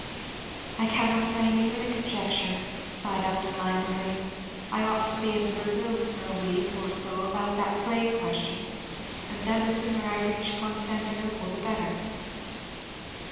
"I cannot frame even a conjecture," sighed Upton, languidly. "I ought to be in the Brazils for a week or so about that slave question; and then the sooner I reach Constantinople the better."